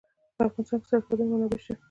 په افغانستان کې د سرحدونه منابع شته.